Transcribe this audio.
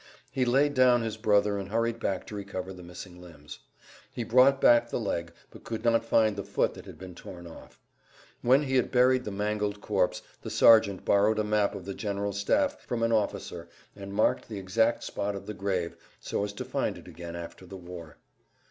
He laid down his brother and hurried back to recover the missing limbs. He brought back the leg, but could not find the foot that had been torn off. When we had buried the mangled corpse the sergeant borrowed a map of the general staff from an[Pg 128] officer and marked the exact spot of the grave so as to find it again after the war.